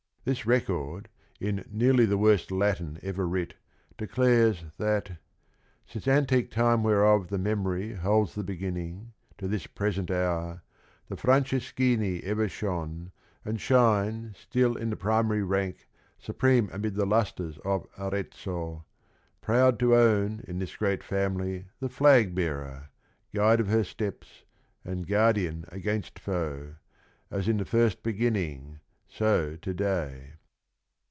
This record in "nearly the worst Latin ever writ," declares that "' Since antique time whereof the memory Holds the beginning, to this present hour, The Franceschini ever shone, and shine Still i' the primary rank, supreme amid The lustres of Arezzo, proud to own In this great family, the flag bearer, Guide of her steps and guardian against foe, — As in the first beginning, so to day